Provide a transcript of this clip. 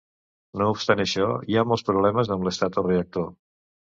No obstant això, hi ha molts problemes amb l'estatoreactor.